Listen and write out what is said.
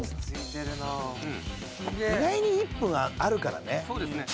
意外に１分はあるからね。